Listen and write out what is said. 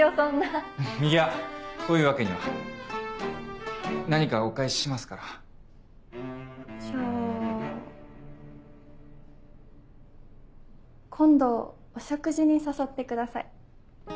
そいやそういうわけには何かお返ししますからじゃあ今度お食事に誘ってください